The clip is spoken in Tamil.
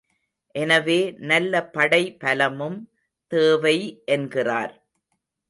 எனவே நல்ல படை பலமும் தேவை என்கிறார்.